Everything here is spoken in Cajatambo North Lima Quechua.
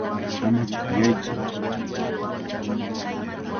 Ama pukllaytsu.